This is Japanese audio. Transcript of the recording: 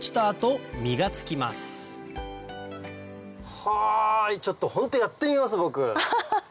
はぁちょっとホントにやってみます僕。